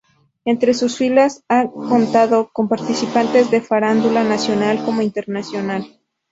Entre sus filas ha contado con participaciones de farándula nacional como internacional.